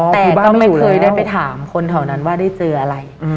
แต่ก็ไม่เคยได้ไปถามคนแถวนั้นว่าได้เจออะไร